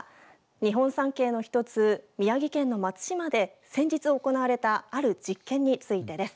日本三景の１つ宮城県の松島で先日、行われたある実験についてです。